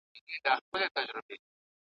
وئيل يې بس تسنيمه ! خوشبويۍ ترې راخوريږي ,